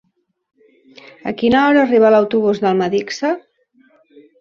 A quina hora arriba l'autobús d'Almedíxer?